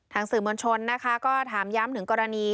สื่อมวลชนนะคะก็ถามย้ำถึงกรณี